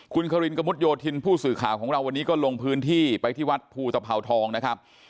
คุณฮารินเขมรุทยศภูมิสื่อข่าวของเราวันนี้ก็ลงพื้นที่ไปที่วัดภูสะพาวทองนะครับ